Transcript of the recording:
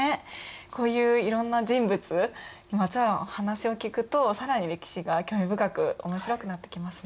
こういういろんな人物にまつわる話を聞くと更に歴史が興味深く面白くなってきますね。